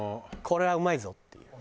これはうまいぞって。